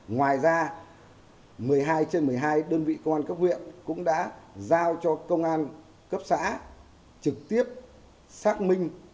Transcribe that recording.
ngoài ra một mươi hai trên một mươi hai đơn vị công an cấp huyện cũng đã giao cho công an cấp xã trực tiếp xác minh